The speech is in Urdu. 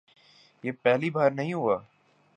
یہ پہلی بار نہیں ہوا۔